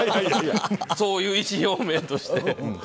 そういう意思表明として。